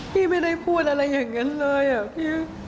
พี่ไม่ได้พูดอะไรอย่างนั้นเลยอะพี่